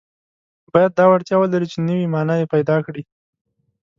باید دا وړتیا ولري چې نوي معناوې پیدا کړي.